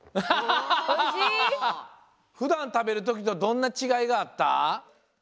ふだんたべるときとどんなちがいがあった？